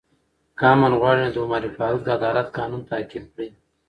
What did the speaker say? که امن غواړئ، نو د عمر فاروق د عدالت قانون تعقیب کړئ.